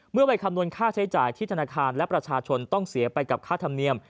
เมื่อไปคำนวณค่าใช้จ่ายที่ธนาคารและประชาชนต้องเสียไปกับค่าธรรมเนียม